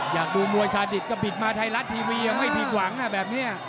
อยากดูมวยสาดิตก็บิดมาไทยรัฐทีวียังไม่ผิดหวังแบบนี้